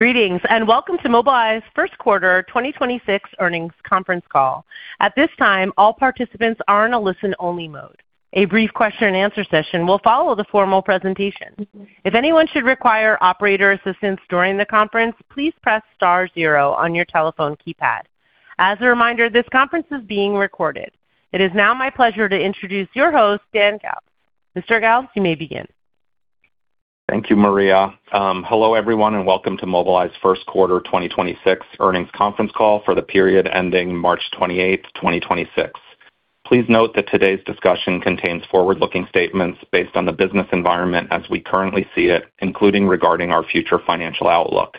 Greetings, and welcome to Mobileye's First Quarter 2026 Earnings Conference Call. At this time, all participants are in a listen-only mode. A brief question and answer session will follow the formal presentation. If anyone should require operator assistance during the conference, please press star zero on your telephone keypad. As a reminder, this conference is being recorded. It is now my pleasure to introduce your host, Dan Galves. Mr. Galves, you may begin Thank you, Maria. Hello everyone, and welcome to Mobileye's First Quarter 2026 Earnings Conference Call for the period ending March 28th, 2026. Please note that today's discussion contains forward-looking statements based on the business environment as we currently see it, including regarding our future financial outlook.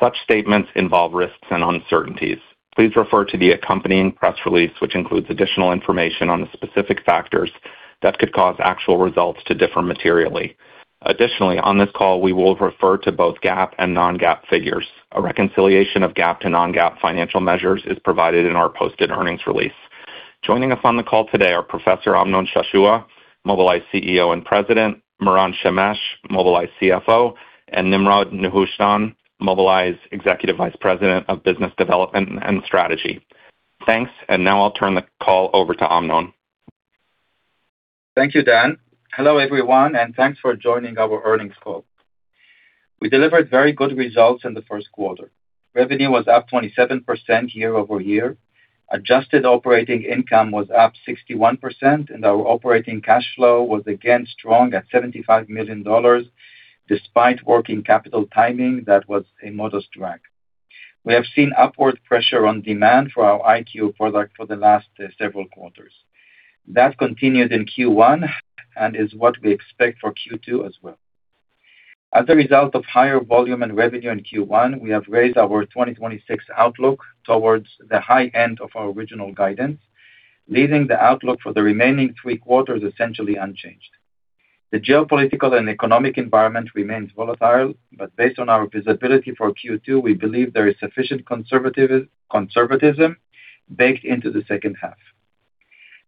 Such statements involve risks and uncertainties. Please refer to the accompanying press release, which includes additional information on the specific factors that could cause actual results to differ materially. Additionally, on this call, we will refer to both GAAP and non-GAAP figures. A reconciliation of GAAP to non-GAAP financial measures is provided in our posted earnings release. Joining us on the call today are Professor Amnon Shashua, Mobileye's CEO and President, Moran Shemesh, Mobileye's CFO, and Nimrod Nehushtan, Mobileye's Executive Vice President of Business Development and Strategy. Thanks, and now I'll turn the call over to Amnon. Thank you, Dan. Hello everyone, and thanks for joining our earnings call. We delivered very good results in the first quarter. Revenue was up 27% year-over-year, adjusted operating income was up 61%, and our operating cash flow was again strong at $75 million, despite working capital timing that was a modest drag. We have seen upward pressure on demand for our EyeQ product for the last several quarters. That continued in Q1 and is what we expect for Q2 as well. As a result of higher volume and revenue in Q1, we have raised our 2026 outlook towards the high end of our original guidance, leaving the outlook for the remaining three quarters essentially unchanged. The geopolitical and economic environment remains volatile, but based on our visibility for Q2, we believe there is sufficient conservatism baked into the second half.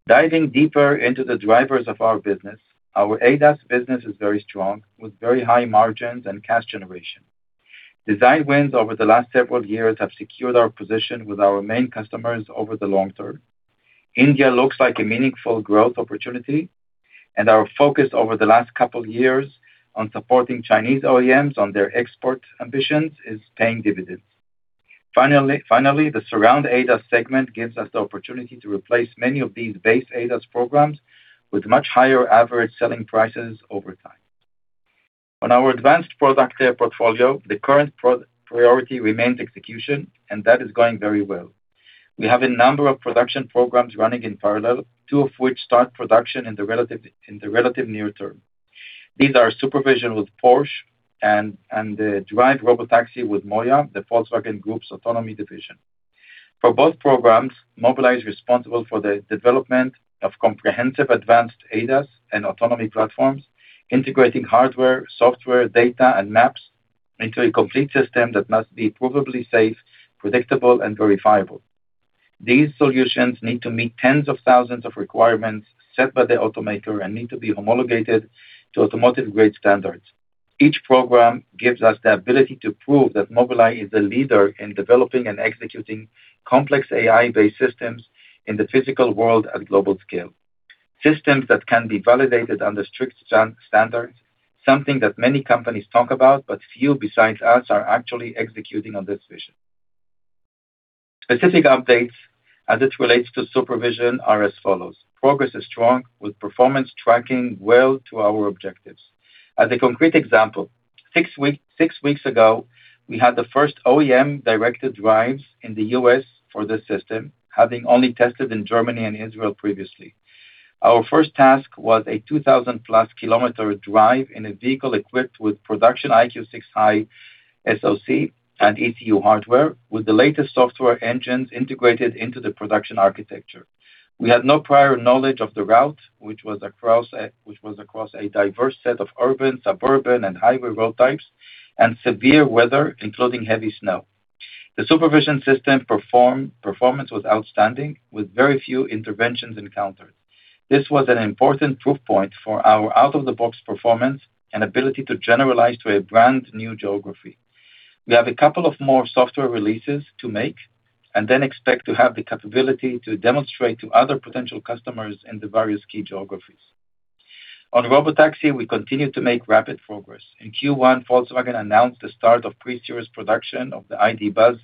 Diving deeper into the drivers of our business, our ADAS business is very strong, with very high margins and cash generation. Design wins over the last several years have secured our position with our main customers over the long term. India looks like a meaningful growth opportunity, and our focus over the last couple of years on supporting Chinese OEMs on their export ambitions is paying dividends. Finally, the Surround ADAS segment gives us the opportunity to replace many of these base ADAS programs with much higher average selling prices over time. On our advanced product portfolio, the current priority remains execution, and that is going very well. We have a number of production programs running in parallel, two of which start production in the relatively near term. These are SuperVision with Porsche and the Drive Robotaxi with MOIA, the Volkswagen Group's autonomy division. For both programs, Mobileye is responsible for the development of comprehensive advanced ADAS and autonomy platforms, integrating hardware, software, data, and maps into a complete system that must be provably safe, predictable, and verifiable. These solutions need to meet tens of thousands of requirements set by the automaker and need to be homologated to automotive-grade standards. Each program gives us the ability to prove that Mobileye is a leader in developing and executing complex AI-based systems in the physical world at a global scale. Systems that can be validated under strict standards, something that many companies talk about, but few besides us are actually executing on this vision. Specific updates as it relates to SuperVision are as follows. Progress is strong, with performance tracking well to our objectives. As a concrete example, six weeks ago, we had the first OEM-directed drives in the U.S. for this system, having only tested in Germany and Israel previously. Our first task was a 2,000+ km drive in a vehicle equipped with production EyeQ6 High SoC and ECU hardware with the latest software engines integrated into the production architecture. We had no prior knowledge of the route, which was across a diverse set of urban, suburban, and highway road types, and severe weather, including heavy snow. The supervision system performance was outstanding, with very few interventions encountered. This was an important proof point for our out-of-the-box performance and ability to generalise to a brand new geography. We have a couple of more software releases to make, and then expect to have the capability to demonstrate to other potential customers in the various key geographies. On Robotaxi, we continue to make rapid progress. In Q1, Volkswagen announced the start of pre-series production of the ID. Buzz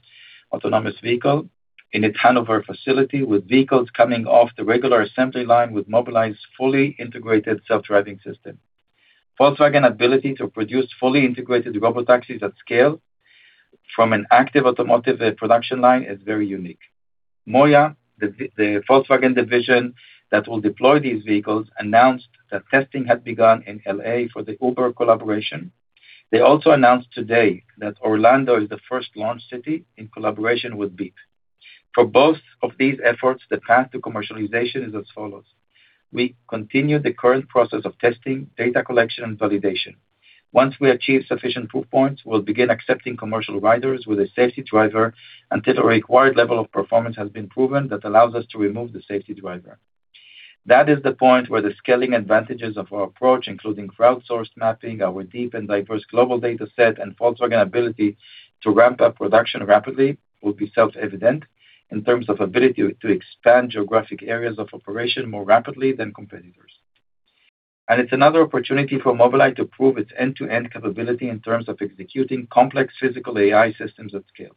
autonomous vehicle in a Hanover facility, with vehicles coming off the regular assembly line with Mobileye's fully integrated self-driving system. Volkswagen's ability to produce fully integrated robotaxis at scale from an active automotive production line is very unique. MOIA, the Volkswagen division that will deploy these vehicles, announced that testing had begun in L.A. for the Uber collaboration. They also announced today that Orlando is the first launch city in collaboration with Beep. For both of these efforts, the path to commercialization is as follows. We continue the current process of testing, data collection, and validation. Once we achieve sufficient proof points, we'll begin accepting commercial riders with a safety driver until a required level of performance has been proven that allows us to remove the safety driver. That is the point where the scaling advantages of our approach, including crowdsourced mapping, our deep and diverse global data set, and Volkswagen ability to ramp up production rapidly, will be self-evident in terms of ability to expand geographic areas of operation more rapidly than competitors. It's another opportunity for Mobileye to prove its end-to-end capability in terms of executing complex physical AI systems at scale.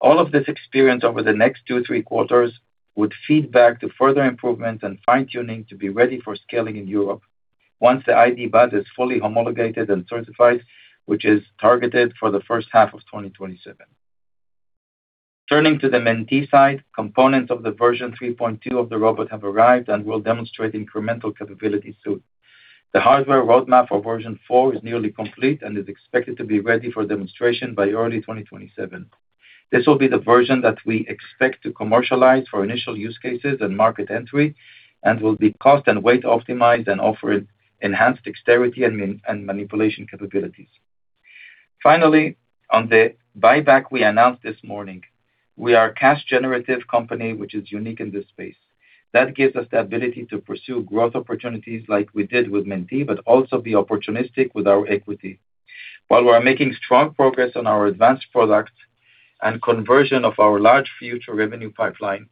All of this experience over the next two, three quarters would feed back to further improvement and fine-tuning to be ready for scaling in Europe once the ID. Buzz is fully homologated and certified, which is targeted for the first half of 2027. Turning to the Mentee side, components of the version 3.2 of the robot have arrived and will demonstrate incremental capabilities soon. The hardware roadmap for version 4 is nearly complete and is expected to be ready for demonstration by early 2027. This will be the version that we expect to commercialize for initial use cases and market entry, and will be cost and weight optimized and offer enhanced dexterity and manipulation capabilities. Finally, on the buyback we announced this morning, we are a cash generative company, which is unique in this space. That gives us the ability to pursue growth opportunities like we did with Mentee, but also be opportunistic with our equity. While we are making strong progress on our advanced products and conversion of our large future revenue pipeline,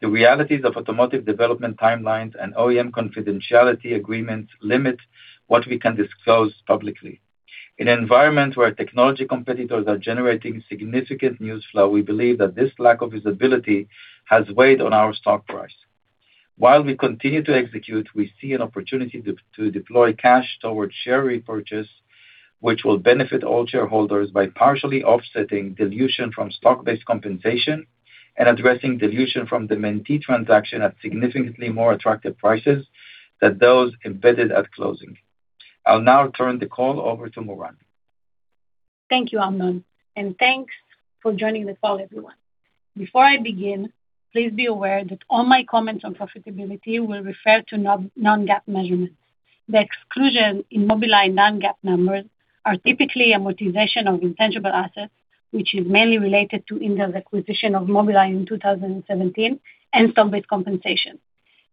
the realities of automotive development timelines and OEM confidentiality agreements limit what we can disclose publicly. In an environment where technology competitors are generating significant news flow, we believe that this lack of visibility has weighed on our stock price. While we continue to execute, we see an opportunity to deploy cash towards share repurchase, which will benefit all shareholders by partially offsetting dilution from stock-based compensation and addressing dilution from the Mentee transaction at significantly more attractive prices than those embedded at closing. I'll now turn the call over to Moran. Thank you, Amnon, and thanks for joining the call, everyone. Before I begin, please be aware that all my comments on profitability will refer to non-GAAP measurements. The exclusion in Mobileye's non-GAAP numbers are typically amortization of intangible assets, which is mainly related to Intel's acquisition of Mobileye in 2017 and stock-based compensation.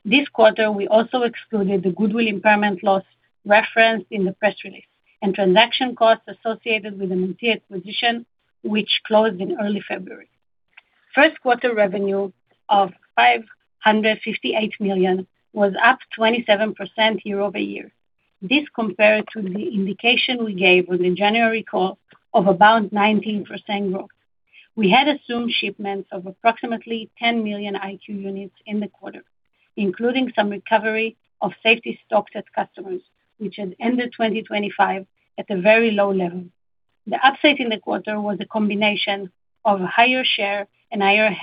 This quarter, we also excluded the goodwill impairment loss referenced in the press release and transaction costs associated with the Mentee acquisition, which closed in early February. First quarter revenue of $558 million was up 27% year-over-year. This compared to the indication we gave on the January call of about 19% growth. We had assumed shipments of approximately 10 million EyeQ units in the quarter, including some recovery of safety stocked at customers, which had ended 2025 at a very low level. The upside in the quarter was a combination of higher share and higher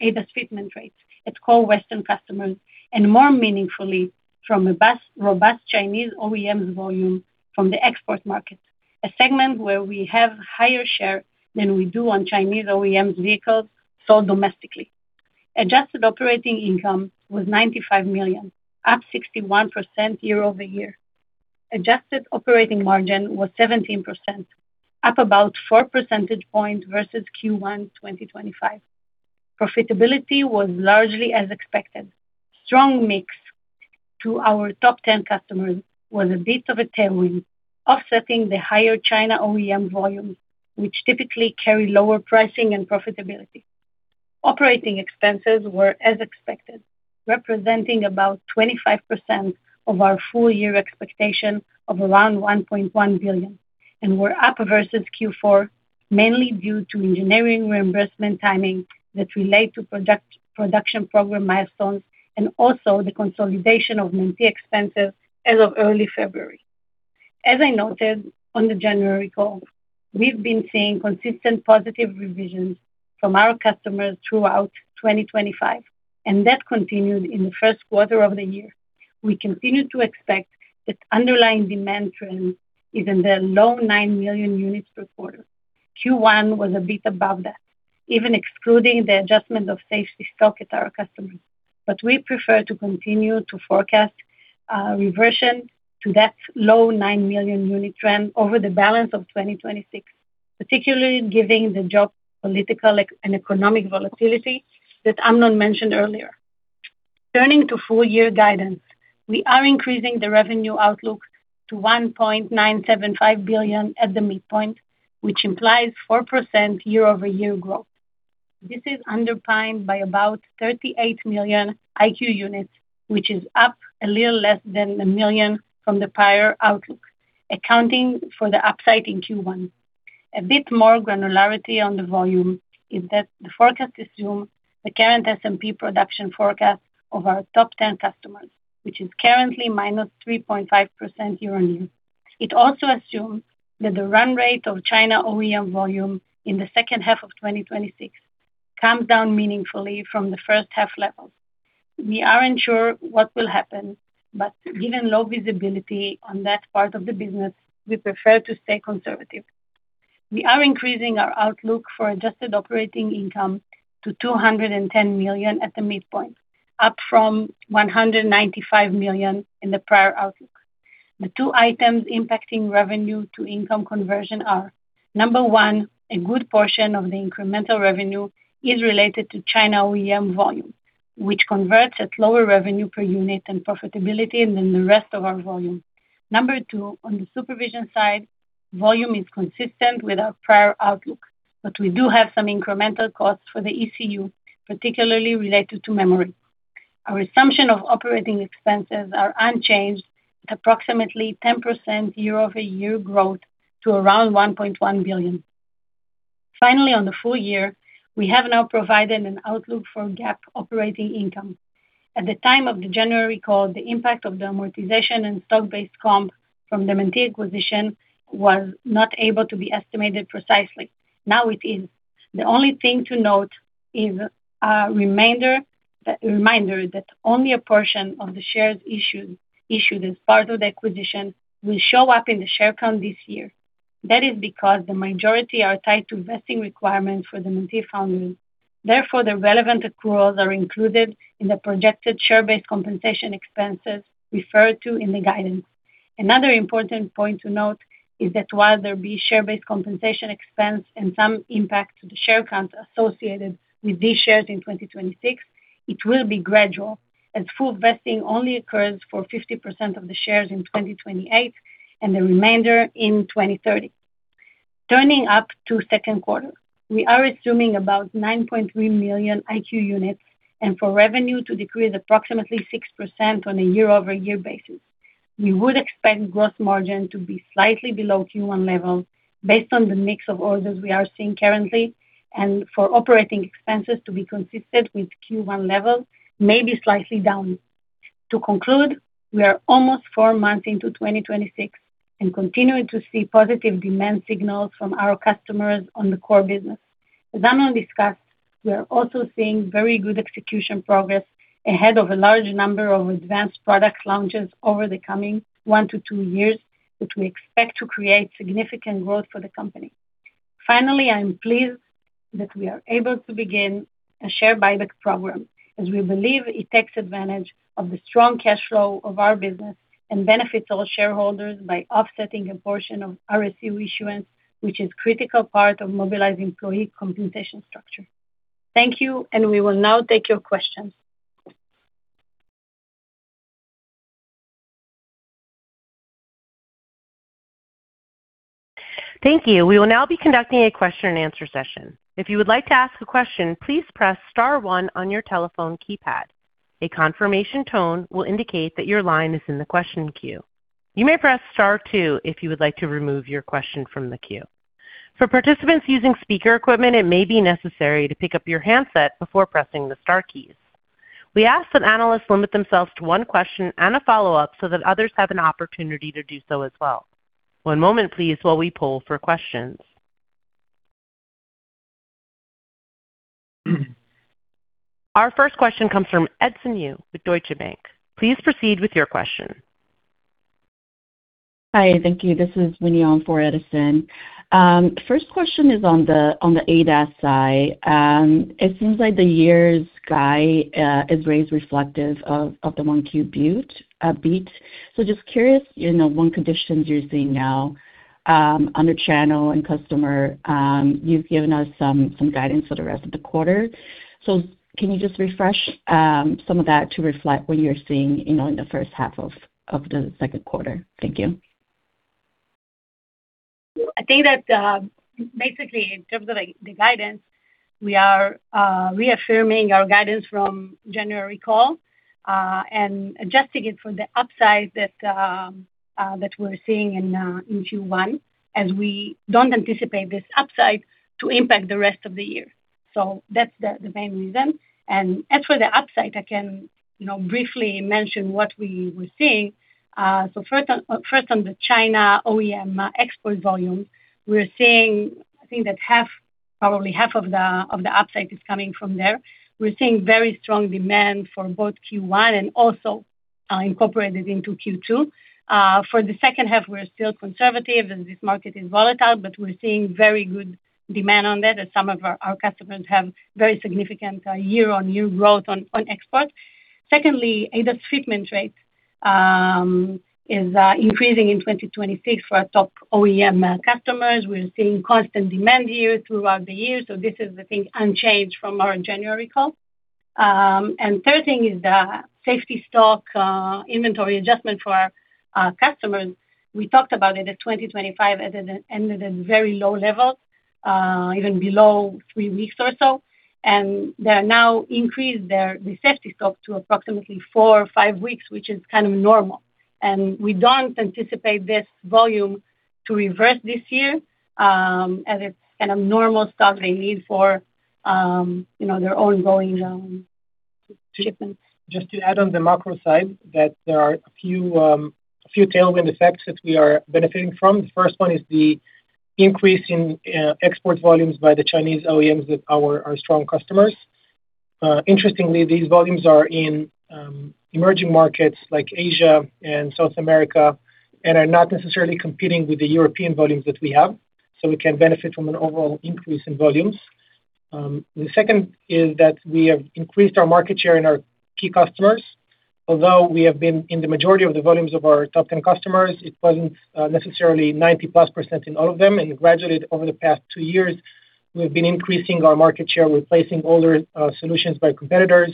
ADAS fitment rates at core Western customers and, more meaningfully, from a robust Chinese OEMs volume from the export market, a segment where we have higher share than we do on Chinese OEMs vehicles sold domestically. Adjusted operating income was $95 million, up 61% year-over-year. Adjusted operating margin was 17%, up about four percentage points versus Q1 2025. Profitability was largely as expected. Strong mix to our top 10 customers was a bit of a tailwind, offsetting the higher China OEM volume, which typically carry lower pricing and profitability. Operating expenses were as expected, representing about 25% of our full-year expectation of around $1.1 billion and were up versus Q4, mainly due to engineering reimbursement timing that relate to production program milestones and also the consolidation of Mentee expenses as of early February. As I noted on the January call, we've been seeing consistent positive revisions from our customers throughout 2025, and that continued in the first quarter of the year. We continue to expect that underlying demand trend is in the low 9 million units per quarter. Q1 was a bit above that, even excluding the adjustment of safety stock at our customers. We prefer to continue to forecast a reversion to that low 9 million unit trend over the balance of 2026, particularly giving the geopolitical and economic volatility that Amnon mentioned earlier. Turning to full-year guidance, we are increasing the revenue outlook to $1.975 billion at the midpoint, which implies 4% year-over-year growth. This is underpinned by about 38 million EyeQ units, which is up a little less than a million from the prior outlook, accounting for the upside in Q1. A bit more granularity on the volume is that the forecast assumes the current S&P production forecast of our top 10 customers, which is currently -3.5% year-on-year. It also assumes that the run rate of China OEM volume in the second half of 2026 comes down meaningfully from the first half levels. We aren't sure what will happen, but given low visibility on that part of the business, we prefer to stay conservative. We are increasing our outlook for adjusted operating income to $210 million at the midpoint, up from $195 million in the prior outlook. The two items impacting revenue to income conversion are, number one, a good portion of the incremental revenue is related to China OEM volume, which converts at lower revenue per unit and profitability than the rest of our volume. Number two, on the SuperVision side, volume is consistent with our prior outlook, but we do have some incremental costs for the ECU, particularly related to memory. Our assumption of operating expenses are unchanged at approximately 10% year-over-year growth to around $1.1 billion. Finally, on the full year, we have now provided an outlook for GAAP operating income. At the time of the January call, the impact of the amortization and stock-based comp from the Mentee acquisition was not able to be estimated precisely. Now it is. The only thing to note is a reminder that only a portion of the shares issued as part of the acquisition will show up in the share count this year. That is because the majority are tied to vesting requirements for the Mentee founders. Therefore, the relevant accruals are included in the projected share-based compensation expenses referred to in the guidance. Another important point to note is that while there will be share-based compensation expense and some impact to the share counts associated with these shares in 2026, it will be gradual, as full vesting only occurs for 50% of the shares in 2028, and the remainder in 2030. Turning up to second quarter, we are assuming about 9.3 million EyeQ units and for revenue to decrease approximately 6% on a year-over-year basis. We would expect gross margin to be slightly below Q1 levels based on the mix of orders we are seeing currently, and for operating expenses to be consistent with Q1 levels, maybe slightly down. To conclude, we are almost four months into 2026 and continuing to see positive demand signals from our customers on the core business. As Amnon discussed, we are also seeing very good execution progress ahead of a large number of advanced product launches over the coming one to two years, which we expect to create significant growth for the company. Finally, I am pleased that we are able to begin a share buyback program, as we believe it takes advantage of the strong cash flow of our business and benefits all shareholders by offsetting a portion of RSU issuance, which is critical part of Mobileye's employee compensation structure. Thank you, and we will now take your questions. Thank you. We will now be conducting a question-and-answer session. If you would like to ask a question, please press star one on your telephone keypad. A confirmation tone will indicate that your line is in the question queue. You may press star two if you would like to remove your question from the queue. For participants using speaker equipment, it may be necessary to pick up your handset before pressing the star keys. We ask that analysts limit themselves to one question and a follow-up so that others have an opportunity to do so as well. One moment, please, while we poll for questions. Our first question comes from Edison Yu with Deutsche Bank. Please proceed with your question. Hi. Thank you. This is Winnie in for Edison Yu. First question is on the ADAS side. It seems like the year's guide is raised reflective of the 1Q beat. Just curious what conditions you're seeing now on the channel and customer. You've given us some guidance for the rest of the quarter. Can you just refresh some of that to reflect what you're seeing in the first half of the second quarter? Thank you. I think that basically in terms of the guidance, we are reaffirming our guidance from January call and adjusting it for the upside that we're seeing in Q1, as we don't anticipate this upside to impact the rest of the year. That's the main reason. As for the upside, I can briefly mention what we were seeing. First, on the China OEM export volume, we're seeing, I think that probably half of the upside is coming from there. We're seeing very strong demand for both Q1 and also incorporated into Q2. For the second half, we're still conservative, and this market is volatile, but we're seeing very good demand on that, as some of our customers have very significant year-on-year growth on export. Secondly, ADAS fitment rate is increasing in 2026 for our top OEM customers. We're seeing constant demand here throughout the year, so this is, I think, unchanged from our January call. Third thing is the safety stock inventory adjustment for our customers. We talked about it in 2025, ended at very low levels, even below three weeks or so. They are now increased their safety stock to approximately four or five weeks, which is kind of normal. We don't anticipate this volume to reverse this year, as it's a normal stock they need for their ongoing shipments. Just to add on the macro side, that there are a few tailwind effects that we are benefiting from. The first one is the increase in export volumes by the Chinese OEMs that are our strong customers. Interestingly, these volumes are in emerging markets like Asia and South America and are not necessarily competing with the European volumes that we have, so we can benefit from an overall increase in volumes. The second is that we have increased our market share in our key customers. Although we have been in the majority of the volumes of our top 10 customers, it wasn't necessarily 90+,% in all of them, and gradually over the past two years, we've been increasing our market share, replacing older solutions by competitors.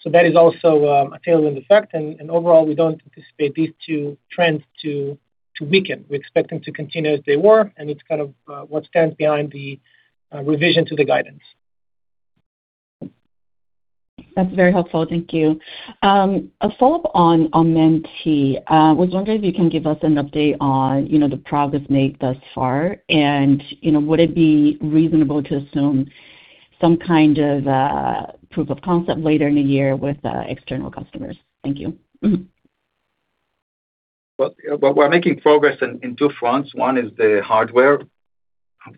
So that is also a tailwind effect. Overall, we don't anticipate these two trends to weaken. We expect them to continue as they were, and it's kind of what stands behind the revision to the guidance. That's very helpful. Thank you. A follow-up on Mentee. I was wondering if you can give us an update on the progress made thus far and, would it be reasonable to assume some kind of proof of concept later in the year with external customers? Thank you. Well, we're making progress in two fronts. One is the hardware.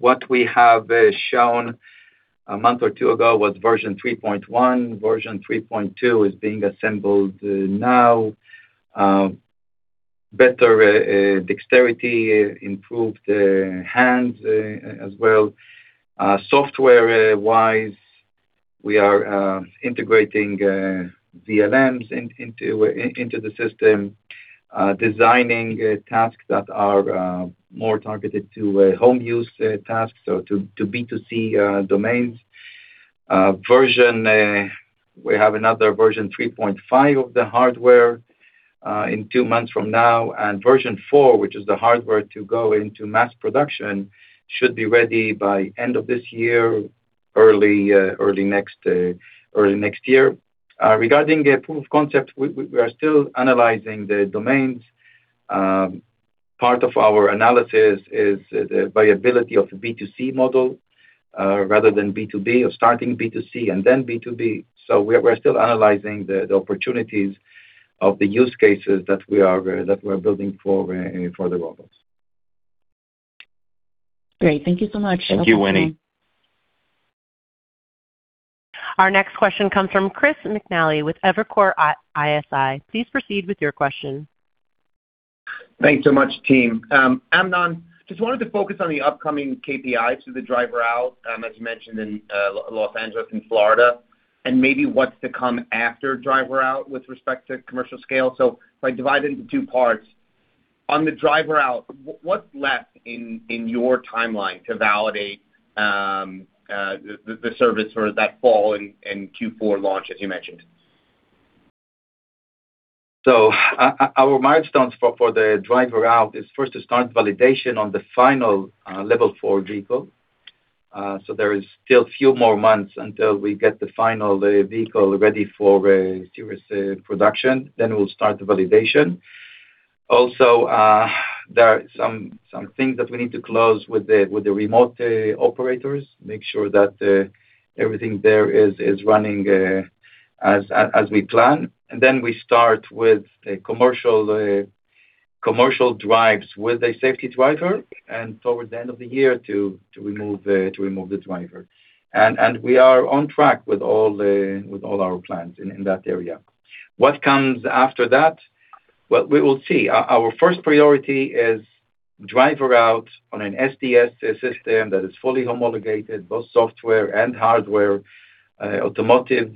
What we have shown a month or two ago was version 3.1. Version 3.2 is being assembled now. Better dexterity, improved hands as well. Software-wise, we are integrating VLMs into the system, designing tasks that are more targeted to home use tasks or to B2C domains. We have another version, 3.5 of the hardware in two months from now, and version 4, which is the hardware to go into mass production, should be ready by end of this year or early next year. Regarding a proof of concept, we are still analyzing the domains. Part of our analysis is the viability of the B2C model rather than B2B, or starting B2C and then B2B. We're still analyzing the opportunities of the use cases that we're building for the robots. Great. Thank you so much. Thank you, Winnie. Our next question comes from Chris McNally with Evercore ISI. Please proceed with your question. Thanks so much, team. Amnon, just wanted to focus on the upcoming KPIs for the driver out, as you mentioned in Los Angeles and Florida, and maybe what's to come after driver out with respect to commercial scale. If I divide it into two parts, on the driver out, what's left in your timeline to validate the service for that fall in Q4 launch as you mentioned? Our milestones for the driver out is first to start validation on the final Level 4 vehicle. There is still few more months until we get the final vehicle ready for series production, then we'll start the validation. Also, there are some things that we need to close with the remote operators, make sure that everything there is running as we plan. Then we start with commercial drives with a safety driver, and towards the end of the year to remove the driver. We are on track with all our plans in that area. What comes after that? Well, we will see. Our first priority is driver out on an SDS system that is fully homologated, both software and hardware, automotive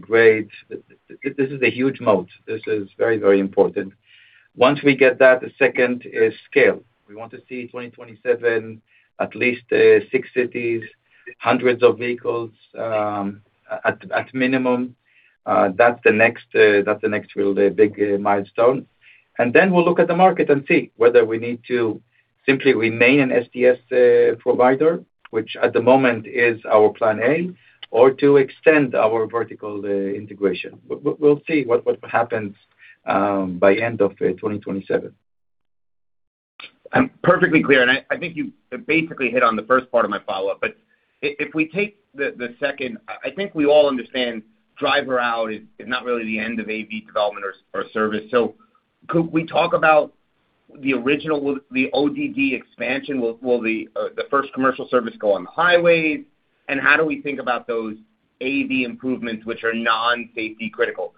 grade. This is a huge moat. This is very, very important. Once we get that, the second is scale. We want to see 2027, at least six cities, hundreds of vehicles at minimum. That's the next real big milestone. We'll look at the market and see whether we need to simply remain an SDS provider, which at the moment is our plan A, or to extend our vertical integration. We'll see what happens by end of 2027. I'm perfectly clear, and I think you basically hit on the first part of my follow-up. If we take the second, I think we all understand driver out is not really the end of AV development or service. Could we talk about the original, the ODD expansion? Will the first commercial service go on the highways? And how do we think about those AV improvements, which are non-safety critical,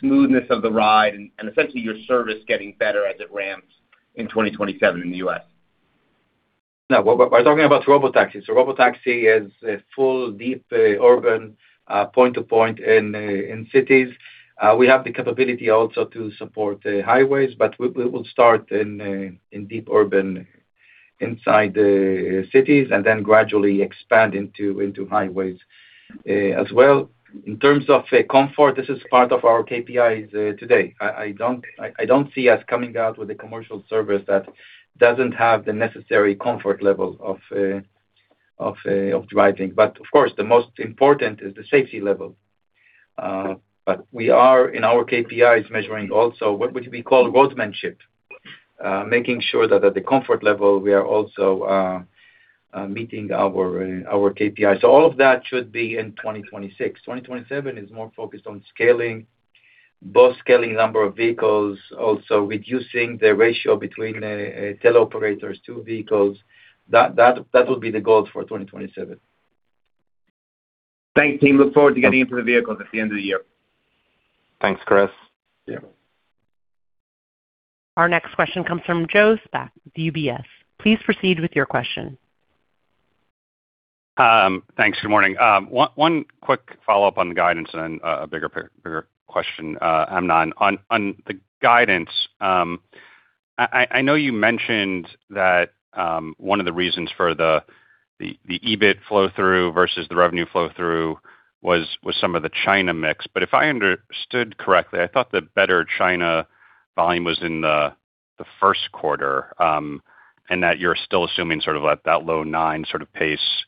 smoothness of the ride and essentially your service getting better as it ramps in 2027 in the U.S.? Now, we're talking about robotaxis. Robotaxi is a full, deep urban point-to-point in cities. We have the capability also to support highways, but we will start in deep urban inside cities and then gradually expand into highways as well. In terms of comfort, this is part of our KPIs today. I don't see us coming out with a commercial service that doesn't have the necessary comfort level of driving. Of course, the most important is the safety level. We are in our KPIs, measuring also what would be called roadsmanship, making sure that at the comfort level, we are also meeting our KPIs. All of that should be in 2026. 2027 is more focused on scaling, both scaling number of vehicles, also reducing the ratio between teleoperators to vehicles. That will be the goal for 2027. Thanks, team. Look forward to getting into the vehicles at the end of the year. Thanks, Chris. Yeah. Our next question comes from Joseph Spak with UBS. Please proceed with your question. Thanks. Good morning. One quick follow-up on the guidance and a bigger picture question, Amnon. On the guidance, I know you mentioned that one of the reasons for the EBIT flow-through versus the revenue flow-through was some of the China mix, but if I understood correctly, I thought the better China volume was in the first quarter, and that you're still assuming sort of at that low nine sort of pace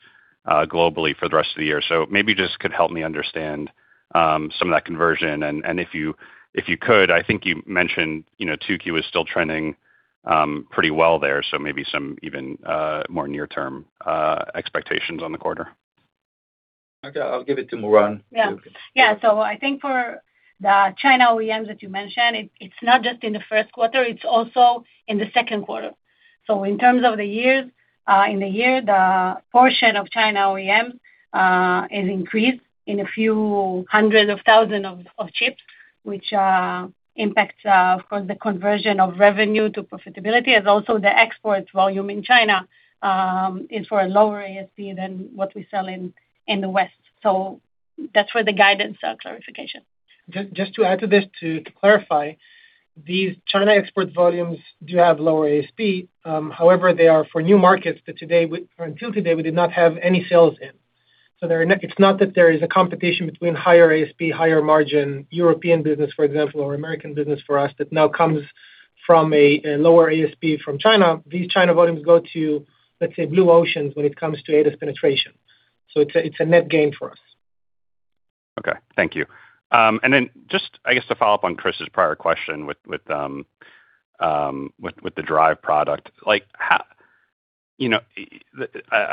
globally for the rest of the year. Maybe just could help me understand some of that conversion, and if you could, I think you mentioned 2Q is still trending pretty well there, so maybe some even more near-term expectations on the quarter. Okay. I'll give it to Moran. Yeah. I think for the China OEMs that you mentioned, it's not just in the first quarter, it's also in the second quarter. In terms of the years, in the year, the portion of China OEM has increased in a few hundred thousand chips, which impacts, of course, the conversion of revenue to profitability, as also the export volume in China is for a lower ASP than what we sell in the West. That's for the guidance clarification. To add to this, to clarify, these China export volumes do have lower ASP; however, they are for new markets that until today, we did not have any sales in. It's not that there is a competition between higher ASP, higher margin European business, for example, or American business for us that now comes from a lower ASP from China. These China volumes go to, let's say, blue oceans when it comes to ADAS penetration. It's a net gain for us. Okay. Thank you. Just, I guess to follow up on Chris's prior question with the drive product. I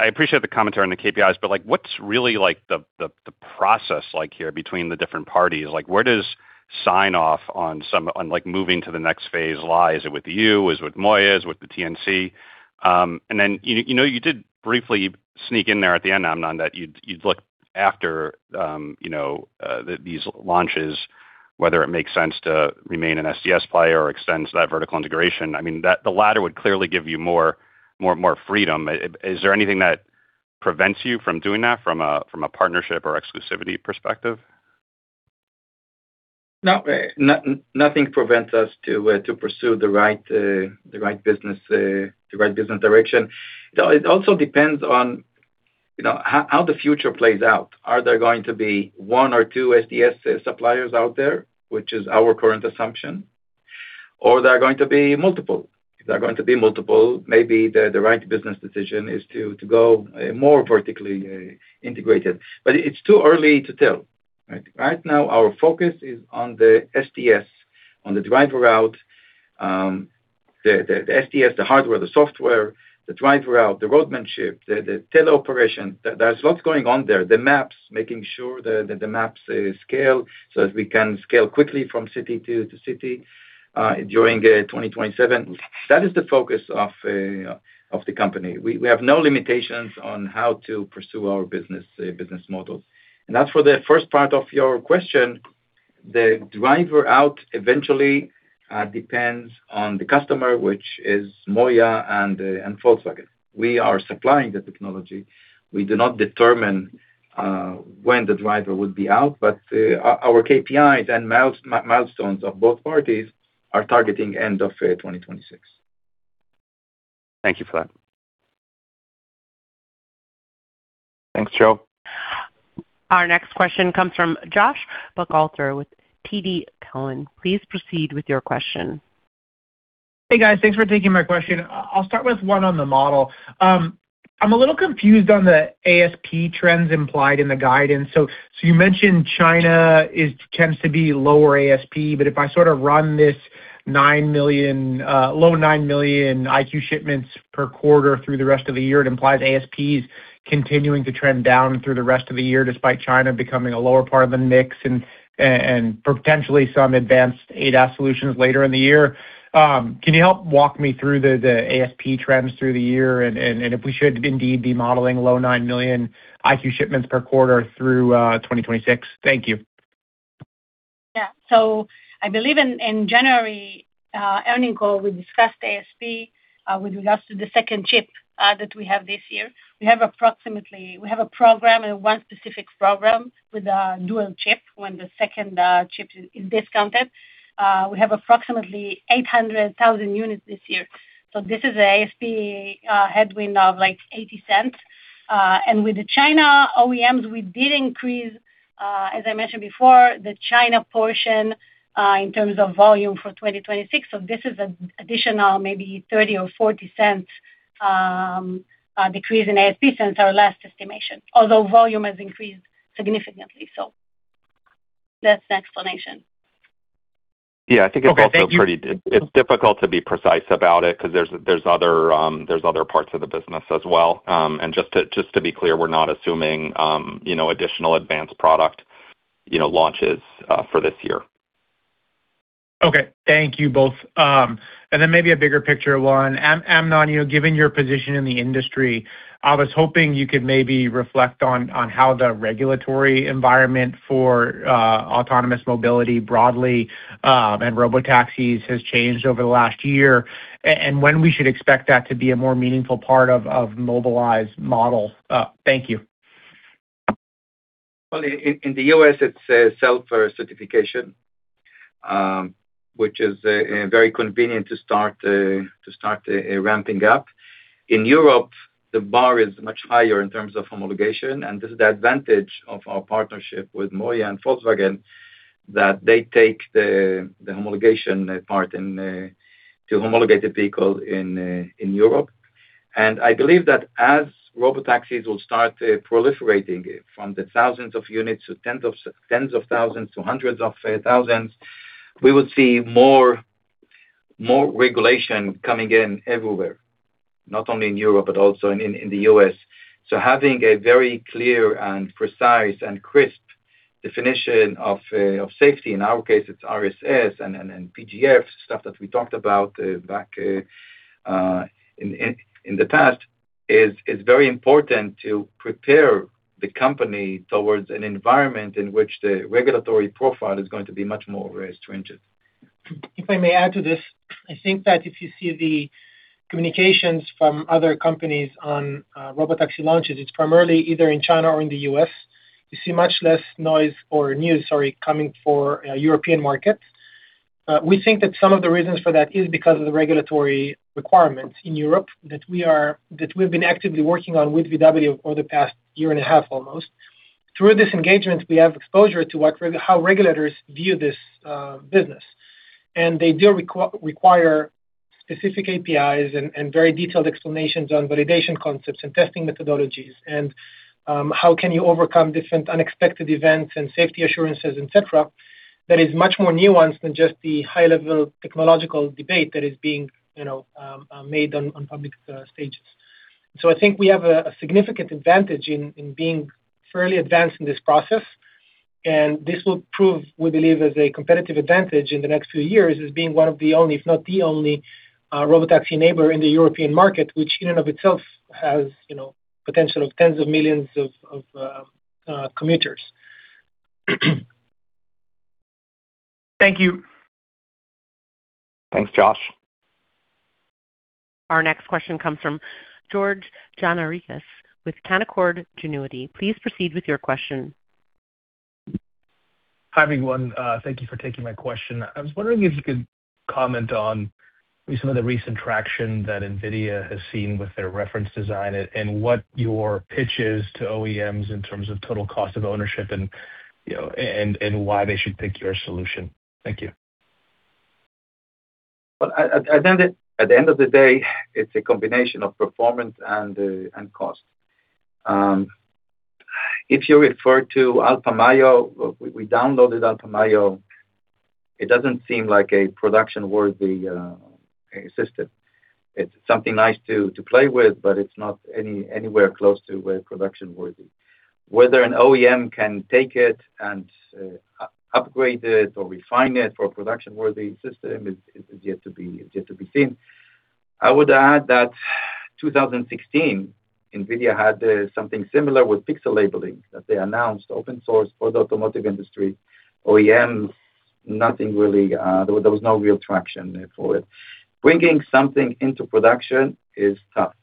appreciate the commentary on the KPIs, but what's really the process like here between the different parties? Where does sign-off on moving to the next phase lie? Is it with you? Is it with MOIA? Is it with the TNC? You did briefly sneak in there at the end, Amnon, that you'd look after these launches, whether it makes sense to remain an SDS player or extends that vertical integration. I mean, the latter would clearly give you more freedom. Is there anything that prevents you from doing that from a partnership or exclusivity perspective? No. Nothing prevents us to pursue the right business direction. It also depends on how the future plays out. Are there going to be one or two SDS suppliers out there, which is our current assumption, or there are going to be multiple? If there are going to be multiple, maybe the right business decision is to go more vertically integrated, but it's too early to tell, right? Right now, our focus is on the SDS, on the driver route, the hardware, the software, the roadmanship, the teleoperation. There's lots going on there. The maps, making sure that the maps scale, so as we can scale quickly from city to city during 2027. That is the focus of the company. We have no limitations on how to pursue our business model. As for the first part of your question, the driver out eventually depends on the customer, which is MOIA and Volkswagen. We are supplying the technology. We do not determine when the driver would be out, but our KPIs and milestones of both parties are targeting end of 2026. Thank you for that. Thanks, Joe. Our next question comes from Joshua Buchalter with TD Cowen. Please proceed with your question. Hey, guys. Thanks for taking my question. I'll start with one on the model. I'm a little confused on the ASP trends implied in the guidance. You mentioned China tends to be lower ASP, but if I sort of run these low 9 million EyeQ shipments per quarter through the rest of the year, it implies ASPs continuing to trend down through the rest of the year, despite China becoming a lower part of the mix and potentially some advanced ADAS solutions later in the year. Can you help walk me through the ASP trends through the year and if we should indeed be modelling low 9 million EyeQ shipments per quarter through 2026? Thank you. Yeah. I believe in January earnings call, we discussed ASP with regards to the second chip that we have this year. We have a program, one specific program with a dual chip, when the second chip is discounted. We have approximately 800,000 units this year. This is ASP headwind of like $0.80. With the China OEMs, we did increase, as I mentioned before, the China portion in terms of volume for 2026. This is an additional maybe $0.30 or $0.40 decrease in ASP since our last estimation, although volume has increased significantly. Th,at's the explanation. Yeah. I think it's also pretty, it's difficult to be precise about it because there's other parts of the business as well. Just to be clear, we're not assuming additional advanced product launches for this year. Okay. Thank you both. Maybe a bigger picture one. Amnon, given your position in the industry, I was hoping you could maybe reflect on how the regulatory environment for autonomous mobility broadly, and robotaxis has changed over the last year, and when we should expect that to be a more meaningful part of Mobileye's model. Thank you. Well, in the U.S., it's a self-certification, which is very convenient to start ramping up. In Europe, the bar is much higher in terms of homologation, and this is the advantage of our partnership with MOIA and Volkswagen, that they take the homologation part to homologate the vehicle in Europe. I believe that as robotaxis will start proliferating from the thousands of units to tens of thousands to hundreds of thousands, we will see more regulation coming in everywhere. Not only in Europe but also in the U.S., having a very clear and precise and crisp definition of safety, in our case, it's RSS and PGF, stuff that we talked about back in the past, is very important to prepare the company towards an environment in which the regulatory profile is going to be much more stringent. If I may add to this, I think that if you see the communications from other companies on robotaxi launches, it's primarily either in China or in the U.S. You see much less noise or news, sorry, coming from European market. We think that some of the reasons for that is because of the regulatory requirements in Europe that we've been actively working on with VW for the past year and a half, almost. Through this engagement, we have exposure to how regulators view this business. They do require specific APIs and very detailed explanations on validation concepts and testing methodologies, and how can you overcome different unexpected events and safety assurances, et cetera, that is much more nuanced than just the high-level technological debate that is being made on public stages. I think we have a significant advantage in being fairly advanced in this process, and this will prove, we believe, as a competitive advantage in the next few years as being one of the only, if not the only, robotaxi enabler in the European market, which in and of itself has potential of tens of millions of commuters. Thank you. Thanks, Josh. Our next question comes from George Gianarikas with Canaccord Genuity. Please proceed with your question. Hi, everyone. Thank you for taking my question. I was wondering if you could comment on maybe some of the recent traction that NVIDIA has seen with their reference design, and what your pitch is to OEMs in terms of total cost of ownership and why they should pick your solution. Thank you. Well, at the end of the day, it's a combination of performance and cost. If you refer to Alpha-Meituan, we downloaded Alpha-Meituan, it doesn't seem like a production-worthy system. It's something nice to play with, but it's not anywhere close to production-worthy. Whether an OEM can take it and upgrade it or refine it for a production-worthy system is yet to be seen. I would add that 2016, NVIDIA had something similar with pixel labelling that they announced open source for the automotive industry. OEMs, there was no real traction for it. Bringing something into production is tough.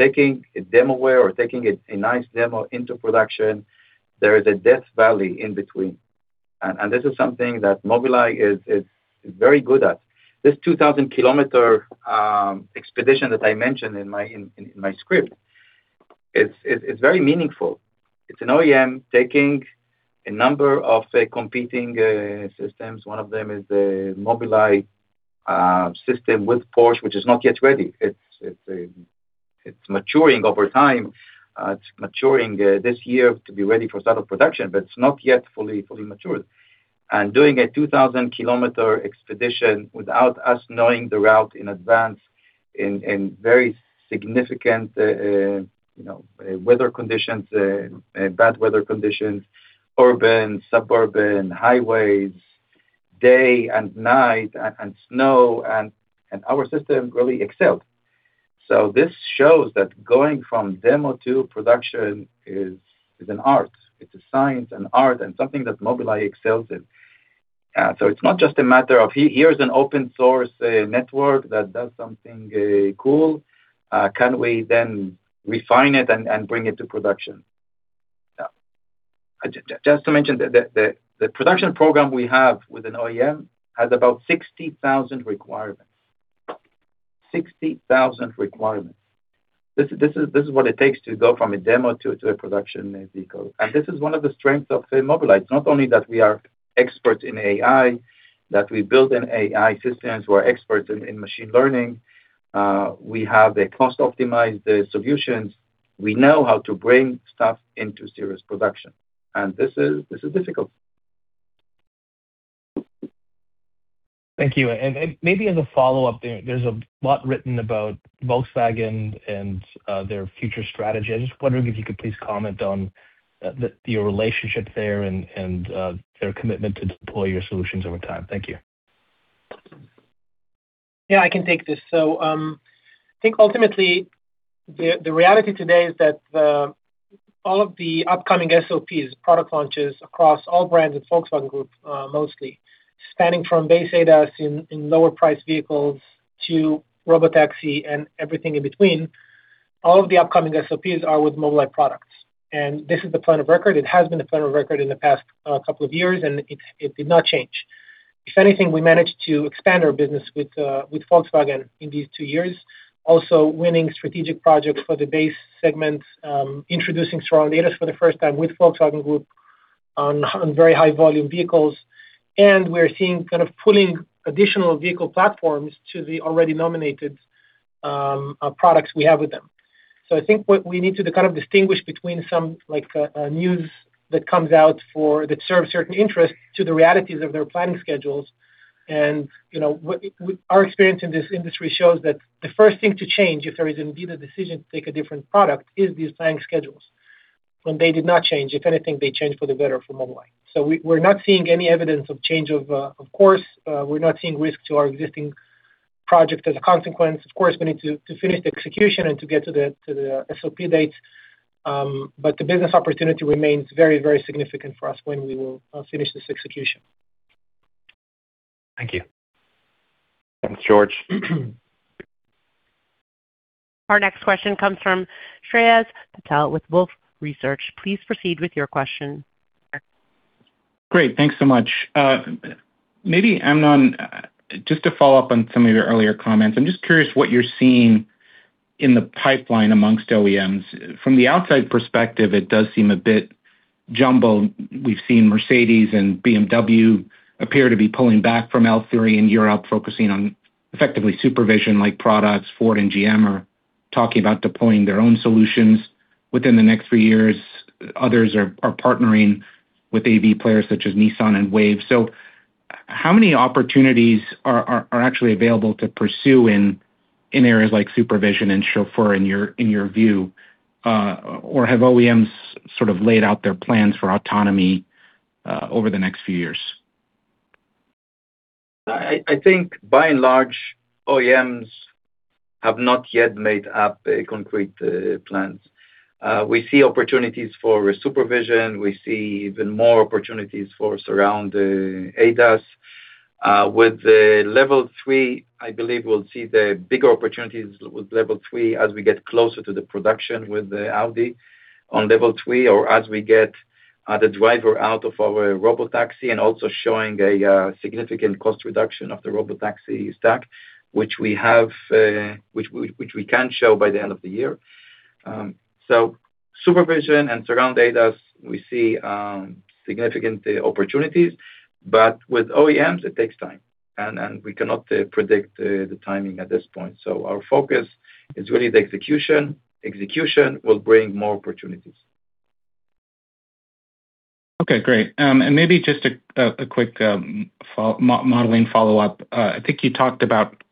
Taking a demo ware or taking a nice demo into production, there is a death valley in between. This is something that Mobileye is very good at. This 2,000 km expedition that I mentioned in my script it's very meaningful. It's an OEM taking a number of competing systems. One of them is a Mobileye system with Porsche, which is not yet ready. It's maturing over time. It's maturing this year to be ready for start of production, but it's not yet fully matured. Doing a 2,000 km expedition without us knowing the route in advance in very significant bad weather conditions, urban, suburban, highways, day and night, and snow, and our system really excelled. This shows that going from demo to production is an art. It's a science, an art, and something that Mobileye excels in. It's not just a matter of, here's an open source network that does something cool. Can we then refine it and bring it to production? No. Just to mention, the production program we have with an OEM has about 60,000 requirements. This is what it takes to go from a demo to a production vehicle. This is one of the strengths of Mobileye. It's not only that we are experts in AI, that we build an AI systems who are experts in machine learning. We have a cost-optimized solutions. We know how to bring stuff into series production. This is difficult lower-priced Thank you. Maybe as a follow-up there's a lot written about Volkswagen and their future strategy. I'm just wondering if you could please comment on your relationship there and their commitment to deploy your solutions over time. Thank you. Yeah, I can take this. I think ultimately, the reality today is that all of the upcoming SOPs, product launches across all brands in Volkswagen Group, mostly, spanning from base ADAS in lower priced vehicles to robotaxi and everything in between. All of the upcoming SOPs are with Mobileye products, and this is the plan of record. It has been the plan of record in the past couple of years, and it did not change. If anything, we managed to expand our business with Volkswagen in these two years, also winning strategic projects for the base segments, introducing Surround ADAS for the first time with Volkswagen Group on very high-volume vehicles. We're seeing kind of pulling additional vehicle platforms to the already nominated products we have with them. I think what we need to do, kind of distinguish between some news that comes out that serves certain interests to the realities of their planning schedules. Our experience in this industry shows that the first thing to change if there is indeed a decision to take a different product, is these planning schedules. They did not change. If anything, they changed for the better for Mobileye. We're not seeing any evidence of change of course. We're not seeing risk to our existing project as a consequence. Of course, we need to finish the execution and to get to the SOP dates. The business opportunity remains very, very significant for us when we will finish this execution. Thank you. Thanks, George. Our next question comes from Shreyas Patil with Wolfe Research. Please proceed with your question. Great. Thanks so much. Maybe, Amnon, just to follow up on some of your earlier comments. I'm just curious what you're seeing in the pipeline amongst OEMs. From the outside perspective, it does seem a bit jumbled. We've seen Mercedes-Benz and BMW appear to be pulling back from L3 in Europe, focusing on effectively SuperVision-like products. Ford and GM are talking about deploying their own solutions within the next three years. Others are partnering with AV players such as Nissan and Wayve. How many opportunities are actually available to pursue in areas like SuperVision and Chauffeur in your view? Or have OEMs sort of laid out their plans for autonomy over the next few years? I think by and large, OEMs have not yet made up concrete plans. We see opportunities for SuperVision. We see even more opportunities for Surround ADAS. With Level 3, I believe we'll see the bigger opportunities with Level 3 as we get closer to the production with Audi on Level 3, or as we get the driver out of our Robotaxi and also showing a significant cost reduction of the Robotaxi stack, which we can show by the end of the year. SuperVision and Surround ADAS, we see significant opportunities, but with OEMs, it takes time, and we cannot predict the timing at this point. Our focus is really the execution. Execution will bring more opportunities. Okay, great. Maybe just a quick modelling follow-up. I think you talked about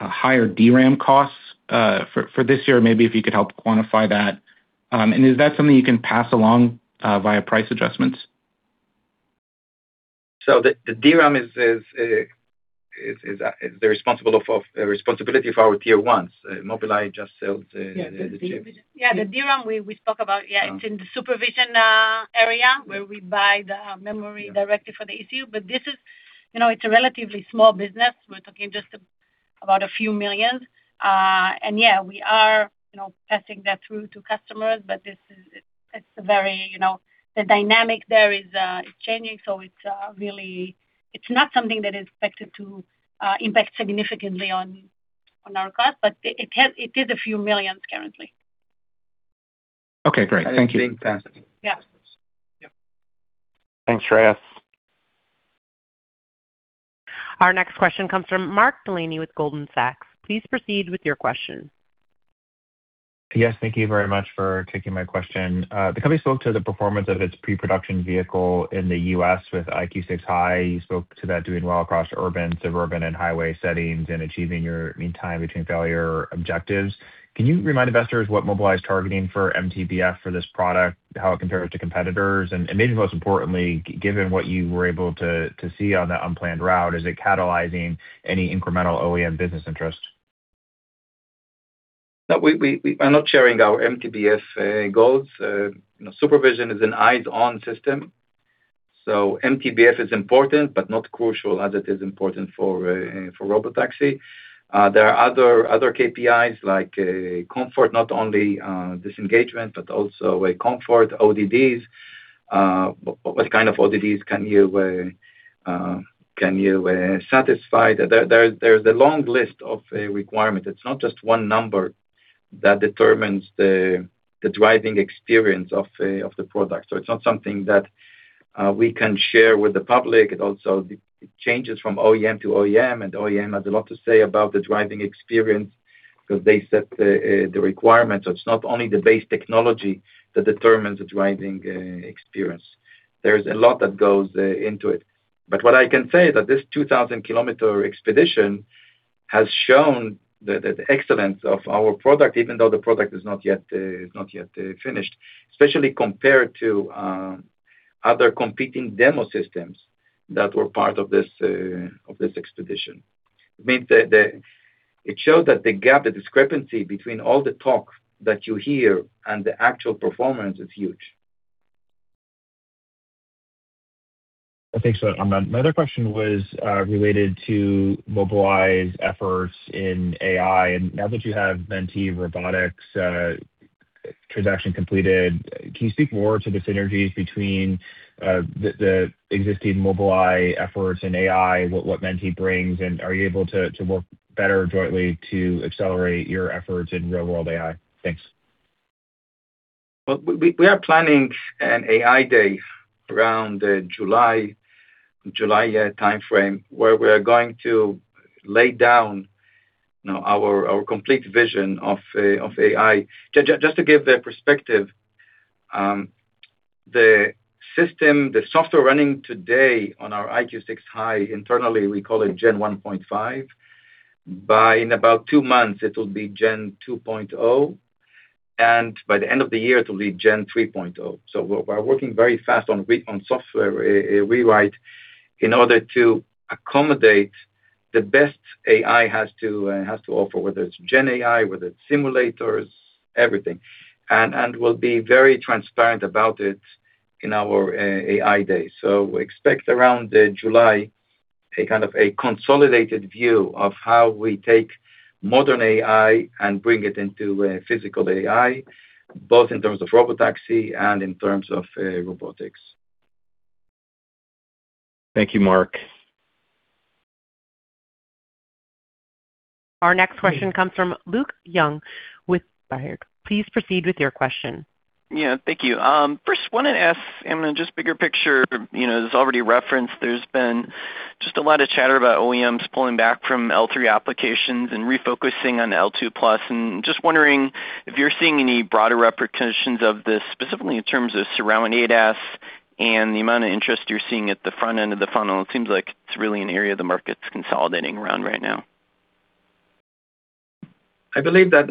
higher DRAM costs for this year. Maybe you could help quantify that. Is that something you can pass along via price adjustments? The DRAM is the responsibility of our tier ones. Mobileye just sells the chips. Yeah, the DRAM we spoke about, yeah, it's in the SuperVision area where we buy the memory directly for the ECU. This is a relatively small business. We're talking just about a few million. Yeah, we are passing that through to customers. The dynamic there is changing, so it's not something that is expected to impact significantly on our cost, but it is a few million currently. Okay, great. Thank you. A big percentage. Yeah. Yeah. Thanks, Shreyas. Our next question comes from Mark Delaney with Goldman Sachs. Please proceed with your question. Yes, thank you very much for taking my question. The company spoke to the performance of its pre-production vehicle in the U.S. with EyeQ6 High. You spoke to that doing well across urban, suburban, and highway settings and achieving your mean time between failure objectives. Can you remind investors what Mobileye is targeting for MTBF for this product, how it compares to competitors? Maybe most importantly, given what you were able to see on that unplanned route, is it catalyzing any incremental OEM business interest? No. We are not sharing our MTBF goals. SuperVision is an eyes-on system, so MTBF is important, but not crucial as it is important for robotaxi. There are other KPIs like comfort, not only disengagement, but also comfort, ODDs. What kind of ODDs can you satisfy? There's a long list of requirements. It's not just one number that determines the driving experience of the product. It's not something that we can share with the public. It also changes from OEM to OEM, and OEM has a lot to say about the driving experience because they set the requirements. It's not only the base technology that determines the driving experience. There's a lot that goes into it. What I can say that this 2,000 km expedition has shown the excellence of our product, even though the product is not yet finished, especially compared to other competing demo systems that were part of this expedition. It means that it showed that the gap, the discrepancy between all the talk that you hear and the actual performance, is huge. Thanks. Amnon, my other question was related to Mobileye's efforts in AI. Now that you have Mentee Robotics transaction completed, can you speak more to the synergies between the existing Mobileye efforts in AI, what Mentee brings, and are you able to work better jointly to accelerate your efforts in real-world AI? Thanks. Well, we are planning an AI day around the July year timeframe, where we are going to lay down our complete vision of AI. Just to give the perspective, the system, the software running today on our EyeQ6 High, internally we call it Gen 1.5. Beginning in about two months, it will be Gen 2.0, and by the end of the year, it'll be Gen 3.0. We're working very fast on software rewrite in order to accommodate the best AI has to offer, whether it's GenAI, whether it's simulators, everything. We'll be very transparent about it in our AI day. Expect around July, a kind of a consolidated view of how we take modern AI and bring it into physical AI, both in terms of robotaxi and in terms of robotics. Thank you, Mark. Our next question comes from Luke Junk with Baird. Please proceed with your question. Yeah, thank you. First wanted to ask, Amnon, just bigger picture. This is already referenced; there's been just a lot of chatter about OEMs pulling back from L3 applications and refocusing on L2+. Just wondering if you're seeing any broader repercussions of this, specifically in terms of Surround ADAS and the amount of interest you're seeing at the front end of the funnel. It seems like it's really an area the market's consolidating around right now. I believe that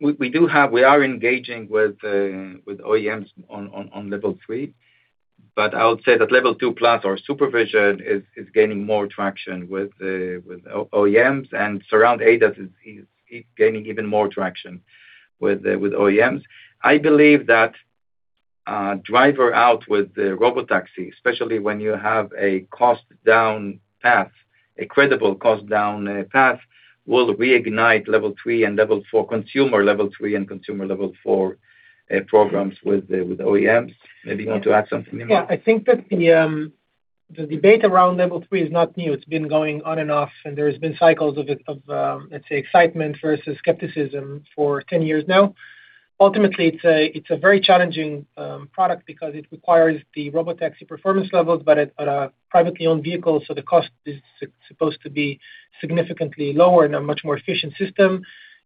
we are engaging with OEMs on Level 3, but I would say that L2+ or SuperVision is gaining more traction with OEMs, and Surround ADAS is gaining even more traction with OEMs. I believe that driver out with the robotaxi, especially when you have a cost-down path, a credible cost-down path, will reignite Level 3 and Level 4, consumer Level 3 and consumer Level 4 programs with OEMs. Maybe you need to add something,. Yeah, I think that the debate around Level 3 is not new. It's been going on and off, and there's been cycles of, let's say, excitement versus skepticism for 10 years now. Ultimately, it's a very challenging product because it requires the robotaxi performance levels, but at a privately owned vehicle, so the cost is supposed to be significantly lower and a much more efficient system.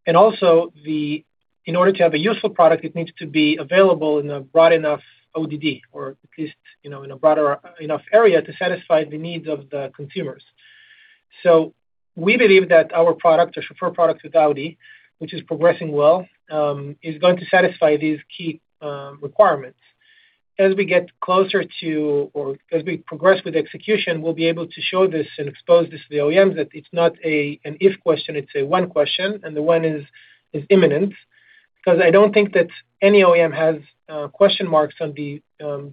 And also, in order to have a useful product, it needs to be available in a broad enough ODD, or at least in a broader enough area to satisfy the needs of the consumers. We believe that our product, the Chauffeur product with Audi, which is progressing well, is going to satisfy these key requirements. As we get closer to or as we progress with execution, we'll be able to show this and expose this to the OEMs that it's not an if question, it's a when question, and the when is imminent. Because I don't think that any OEM has question marks on the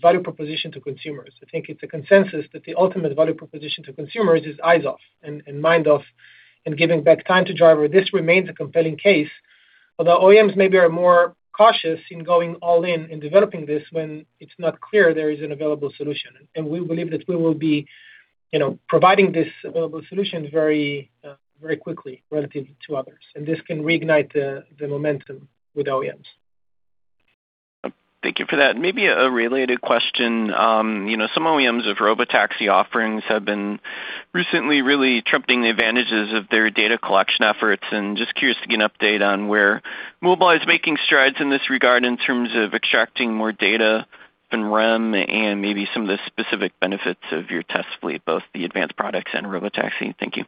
value proposition to consumers. I think it's a consensus that the ultimate value proposition to consumers is eyes off and mind off and giving back time to driver. This remains a compelling case. Although OEMs maybe are more cautious in going all in developing this when it's not clear there is an available solution. We believe that we will be providing this available solution very quickly relative to others, and this can reignite the momentum with OEMs. Thank you for that. Maybe a related question. Some OEMs of robotaxi offerings have been recently really trumpeting the advantages of their data collection efforts, and just curious to get an update on where Mobileye is making strides in this regard in terms of extracting more data from REM and maybe some of the specific benefits of your test fleet, both the advanced products and robotaxi. Thank you.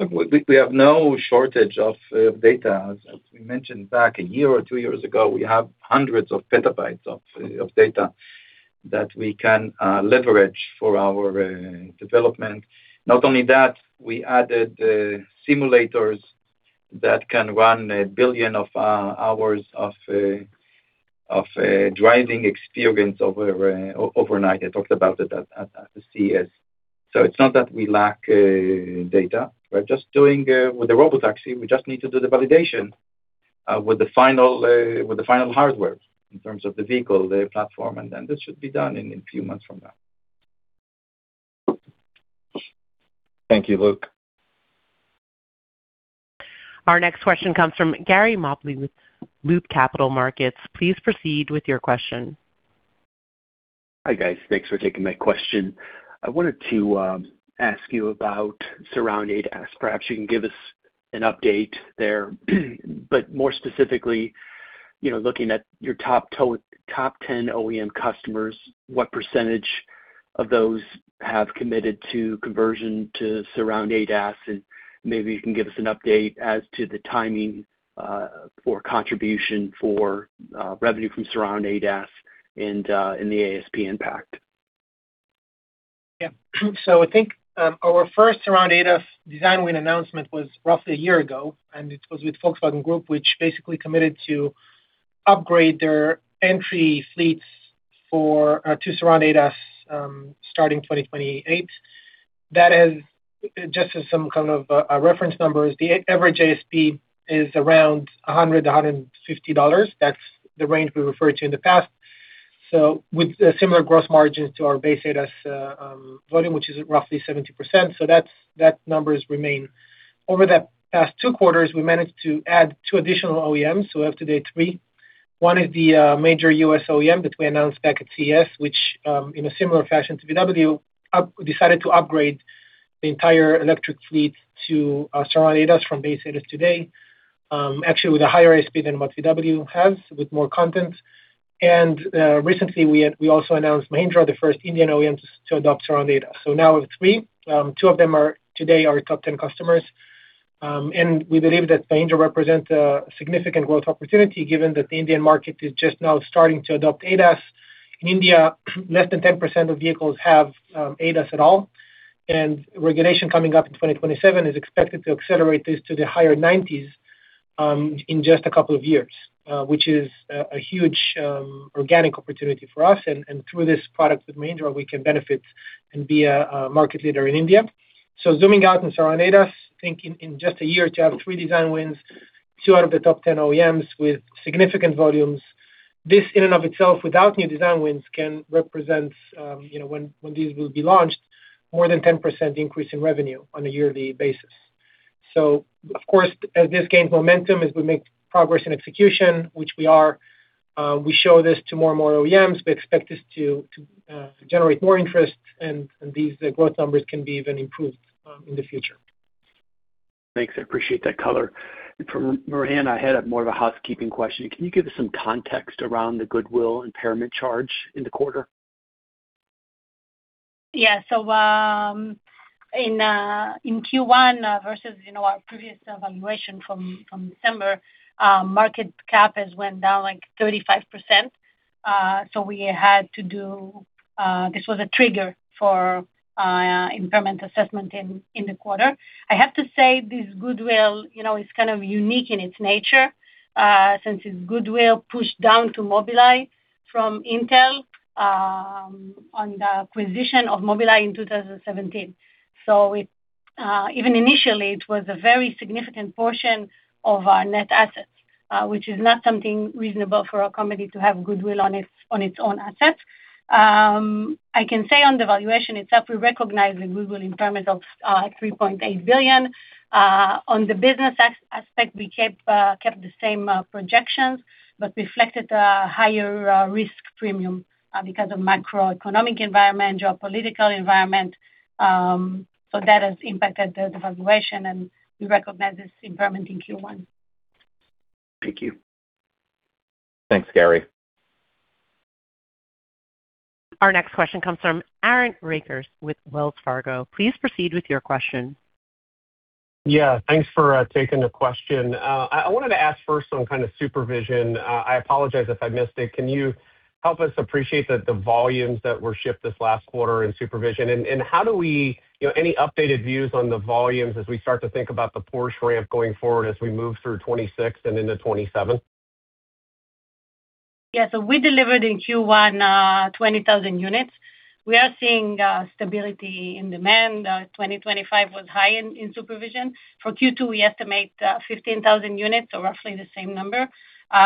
Look, we have no shortage of data. As we mentioned back a year or two years ago, we have hundreds of petabytes of data that we can leverage for our development. Not only that, we added simulators that can run 1 billion hours of driving experience overnight. I talked about it at the CES. It's not that we lack data. With the robotaxi, we just need to do the validation with the final hardware in terms of the vehicle, the platform, and then this should be done in a few months from now. Thank you, Luke. Our next question comes from Gary Mobley with Loop Capital Markets. Please proceed with your question. Hi, guys. Thanks for taking my question. I wanted to ask you about Surround ADAS. Perhaps you can give us an update there. More specifically, looking at your top 10 OEM customers, what percentage of those have committed to conversion to Surround ADAS, and maybe you can give us an update as to the timing for contribution for revenue from Surround ADAS and the ASP impact. Yeah. I think our first Surround ADAS design win announcement was roughly a year ago, and it was with Volkswagen Group, which basically committed to upgrade their entry fleets to Surround ADAS starting 2028. That is just as some kind of a reference number; the average ASP is around $100-$150. That's the range we referred to in the past. With similar gross margins to our base ADAS volume, which is roughly 70%. That number has remained. Over the past two quarters, we managed to add two additional OEMs, so we have today three. One is the major U.S. OEM that we announced back at CES, which, in a similar fashion to VW, decided to upgrade the entire electric fleet to Surround ADAS from base ADAS today, actually with a higher ASP than what VW has with more content. Recently, we also announced Mahindra, the first Indian OEM to adopt Surround ADAS. Now we have three. Two of them are today our top 10 customers. We believe that Mahindra represents a significant growth opportunity, given that the Indian market is just now starting to adopt ADAS. In India, less than 10% of vehicles have ADAS at all, and regulation coming up in 2027 is expected to accelerate this to the higher 90s% in just a couple of years, which is a huge organic opportunity for us. Through this product with Mahindra, we can benefit and be a market leader in India. Zooming out in Surround ADAS, I think in just a year to have three design wins, two out of the top 10 OEMs with significant volumes, this in and of itself, without new design wins, can represent, when these will be launched, more than 10% increase in revenue on a yearly basis. Of course, as this gains momentum, as we make progress in execution, which we are, we show this to more and more OEMs. We expect this to generate more interest, and these growth numbers can be even improved in the future. Thanks. I appreciate that color. For Moran, I had more of a housekeeping question. Can you give us some context around the goodwill impairment charge in the quarter? Yeah. In Q1 versus our previous valuation from December, market cap has went down 35%. This was a trigger for impairment assessment in the quarter. I have to say this goodwill is kind of unique in its nature, since it's goodwill pushed down to Mobileye from Intel on the acquisition of Mobileye in 2017. Even initially, it was a very significant portion of our net assets, which is not something reasonable for a company to have goodwill on its own assets. I can say on the valuation itself, we recognize the goodwill impairment of $3.8 billion. On the business aspect, we kept the same projections but reflected a higher risk premium because of macroeconomic environment, geopolitical environment. That has impacted the valuation, and we recognize this impairment in Q1. Thank you. Thanks, Gary. Our next question comes from Aaron Rakers with Wells Fargo. Please proceed with your question. Yeah. Thanks for taking the question. I wanted to ask first on kind of SuperVision. I apologize if I missed it. Can you help us appreciate the volumes that were shipped this last quarter in SuperVision? Any updated views on the volumes as we start to think about the Porsche ramp going forward, as we move through 2026 and into 2027? We delivered in Q1 20,000 units. We are seeing stability in demand. 2025 was high in SuperVision. For Q2, we estimate 15,000 units, so roughly the same number. We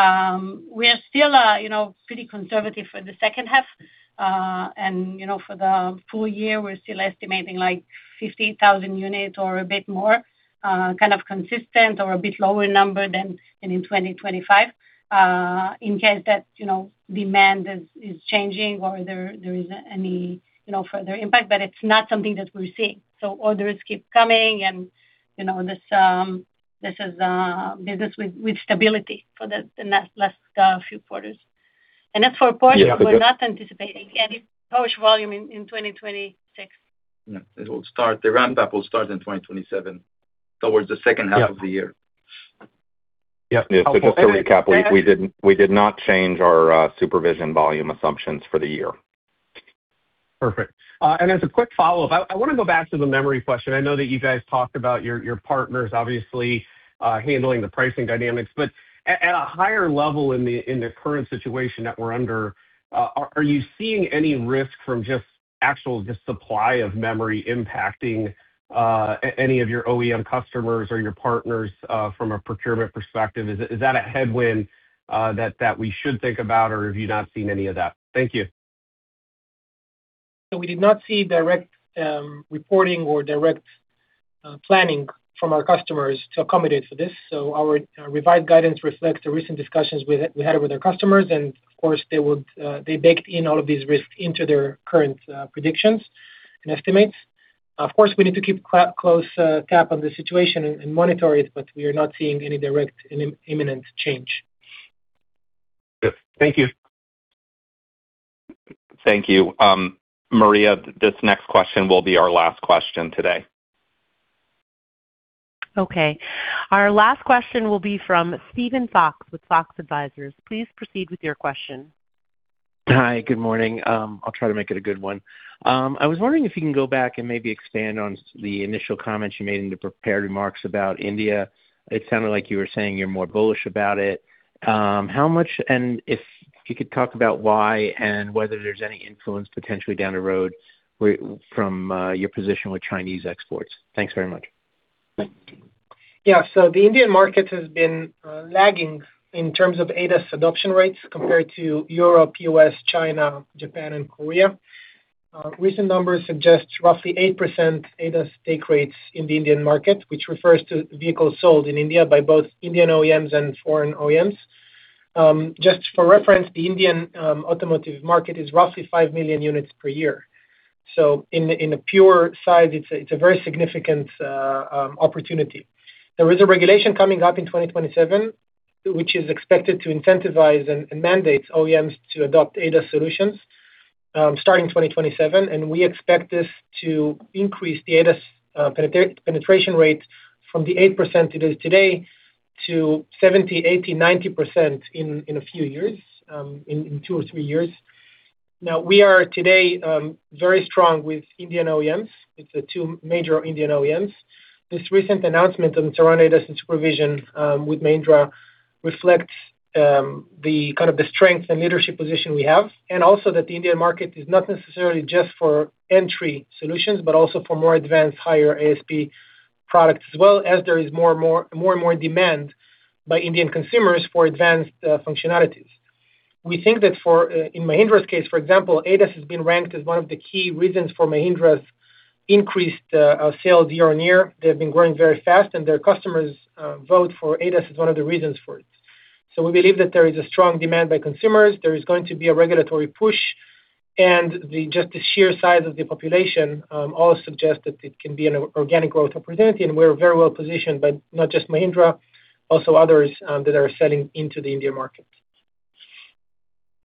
are still pretty conservative for the second half. For the full year, we're still estimating 50,000 units or a bit more, kind of consistent or a bit lower number than in 2025, in case that demand is changing or there is any further impact. It's not something that we're seeing. Orders keep coming, and this is business with stability for the last few quarters. As for Porsche, we're not anticipating any Porsche volume in 2026. Yeah. The ramp-up will start in 2027, toward the second half of the year. Yeah. Helpful. Just to recap, we did not change our SuperVision volume assumptions for the year. Perfect. As a quick follow-up, I want to go back to the memory question. I know that you guys talked about your partners, obviously, handling the pricing dynamics. At a higher level in the current situation that we're under, are you seeing any risk from just actual supply of memory impacting any of your OEM customers or your partners from a procurement perspective? Is that a headwind that we should think about, or have you not seen any of that? Thank you. We did not see direct reporting or direct planning from our customers to accommodate for this. Our revised guidance reflects the recent discussions we had with our customers and, of course, they baked in all of these risks into their current predictions and estimates. Of course, we need to keep close tabs on the situation and monitor it, but we are not seeing any direct imminent change. Yes. Thank you. Thank you. Maria, this next question will be our last question today. Okay. Our last question will be from Steven Fox with Fox Advisors. Please proceed with your question. Hi, good morning. I'll try to make it a good one. I was wondering if you can go back and maybe expand on the initial comments you made in the prepared remarks about India. It sounded like you were saying you're more bullish about it. How much, and if you could talk about why and whether there's any influence potentially down the road from your position with Chinese exports? Thanks very much. Yeah. The Indian market has been lagging in terms of ADAS adoption rates compared to Europe, U.S., China, Japan, and Korea. Recent numbers suggest roughly 8% ADAS take rates in the Indian market, which refers to vehicles sold in India by both Indian OEMs and foreign OEMs. Just for reference, the Indian automotive market is roughly 5 million units per year. In a pure size, it's a very significant opportunity. There is a regulation coming up in 2027, which is expected to incentivize and mandate OEMs to adopt ADAS solutions, starting in 2027. We expect this to increase the ADAS penetration rate from the 8% it is today to 70%-90% in a few years, in two or three years. Now we are today, very strong with Indian OEMs. It's the two major Indian OEMs. This recent announcement on the SuperVision and Surround with Mahindra reflects the kind of strength and leadership position we have, and also that the Indian market is not necessarily just for entry solutions, but also for more advanced, higher ASP products as well as there is more and more demand by Indian consumers for advanced functionalities. We think that in Mahindra's case, for example, ADAS has been ranked as one of the key reasons for Mahindra's increased sales year-on-year. They've been growing very fast, and their customers vote for ADAS as one of the reasons for it. We believe that there is a strong demand by consumers. There is going to be a regulatory push. Just the sheer size of the population all suggest that it can be an organic growth opportunity, and we're very well positioned by not just Mahindra, also others that are selling into the India market.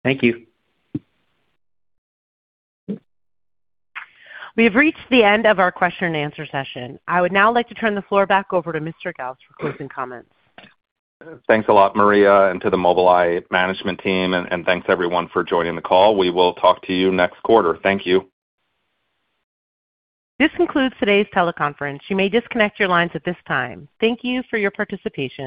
Thank you. We have reached the end of our question-and-answer session. I would now like to turn the floor back over to Mr. Galves for closing comments. Thanks a lot, Maria, and to the Mobileye management team, and thanks everyone for joining the call. We will talk to you next quarter. Thank you. This concludes today's teleconference. You may disconnect your lines at this time. Thank you for your participation.